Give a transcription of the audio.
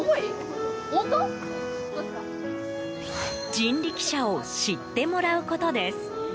人力車を知ってもらうことです。